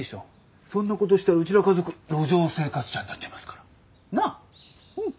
そんな事したらうちら家族路上生活者になっちゃいますから。なあ？